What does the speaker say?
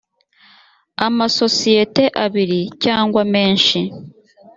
amasosiyete abiri cyangwa menshi